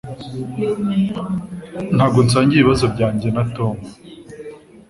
Ntabwo nsangiye ibibazo byanjye na Tom